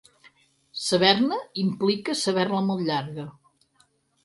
Saber-ne implica saber-la molt llarga.